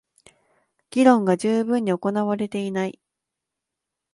議論が充分に行われていない